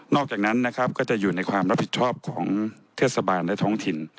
อกจากนั้นนะครับก็จะอยู่ในความรับผิดชอบของเทศบาลและท้องถิ่น